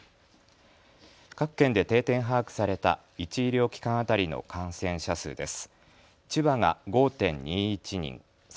各県で定点把握された１医療機関当たりの感染者数です。